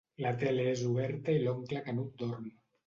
La tele és oberta i l'oncle Canut dorm.